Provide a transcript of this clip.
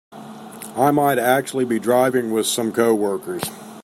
I might actually be driving with some coworkers.